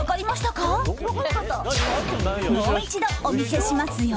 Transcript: ［もう一度お見せしますよ］